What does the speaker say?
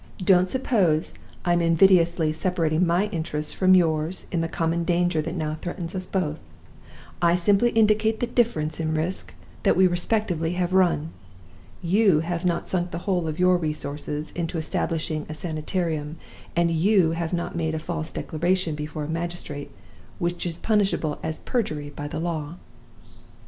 Don't suppose I am invidiously separating my interests from yours in the common danger that now threatens us both. I simply indicate the difference in the risk that we have respectively run. You have not sunk the whole of your resources in establishing a Sanitarium; and you have not made a false declaration before a magistrate, which is punishable as perjury by the law.